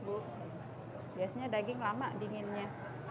biasanya daging lama dinginnya